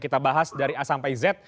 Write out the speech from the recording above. kita bahas dari a sampai z